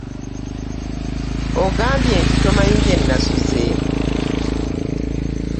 Ogambye nti tomanyi gye nasuze?